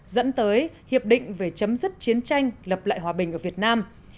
dẫn tới hiệp định về chấm dứt chiến tranh lập lại hòa bình ở việt nam